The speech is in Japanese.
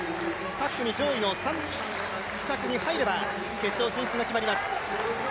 各組上位３着に入れば決勝進出が決まります。